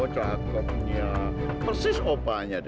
cakepnya persis opanya deh